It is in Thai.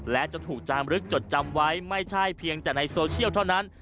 และจะถูกจามลึกจดจำไว้ไม่ใช่เพียงแต่ในโซเชียลเท่านั้น